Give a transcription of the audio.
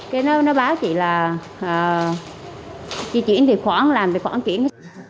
thì nó báo chị là chị chuyển tiền khoản làm tiền khoản chuyển